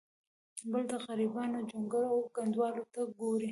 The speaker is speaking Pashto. بل د غریبانو جونګړو او کنډوالو ته ګوري.